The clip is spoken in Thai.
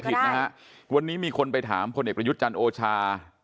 ผิดนะฮะวันนี้มีคนไปถามพลเอกประยุทธ์จันทร์โอชา